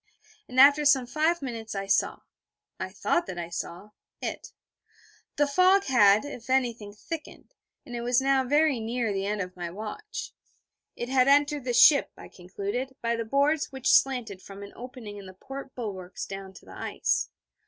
And after some five minutes I saw I thought that I saw it. The fog had, if anything thickened; and it was now very near the end of my watch. It had entered the ship, I concluded, by the boards which slanted from an opening in the port bulwarks down to the ice.